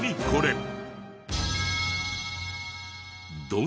これ。